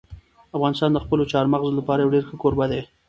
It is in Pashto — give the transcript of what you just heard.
افغانستان د خپلو چار مغز لپاره یو ډېر ښه کوربه دی.